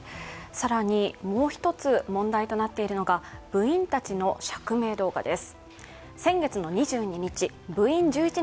もう一つ問題となっているのが部員たちの釈明動画です。